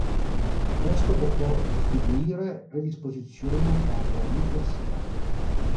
Questo può costituire predisposizione per neoplasie.